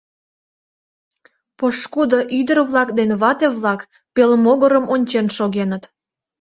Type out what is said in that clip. Пошкудо ӱдыр-влак ден вате-влак пелмогырым ончен шогеныт.